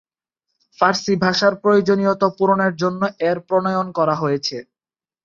ফারসি ভাষার প্রয়োজনীয়তা পূরণের জন্য এর প্রণয়ন করা হয়েছে।